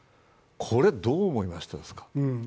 これはどう思いましたか？